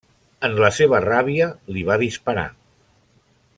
En la seva ràbia li va disparar.